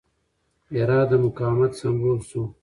هرات د مقاومت سمبول شو.